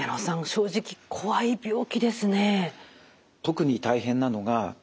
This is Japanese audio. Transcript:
正直怖い病気ですね。